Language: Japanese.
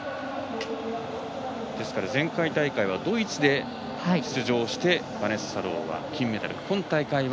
前回大会はドイツで出場してバネッサ・ローは金メダル。